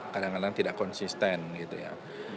kadang kadang tidak konsisten gitu ya